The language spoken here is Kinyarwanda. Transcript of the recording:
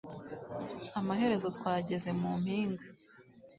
amaherezo twageze mu mpinga